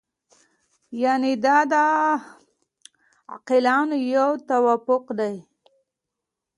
یعنې دا د عاقلانو یو توافق دی.